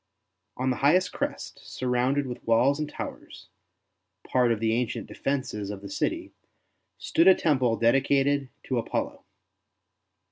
On the highest crest, surrounded with walls and towers — part of the ancient defences of the city — stood a temple dedicated to Apollo.